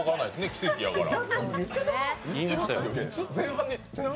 奇跡やから。